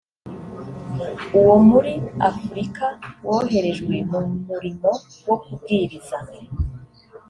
uwo muri afurika woherejwe mu murimo wo kubwiriza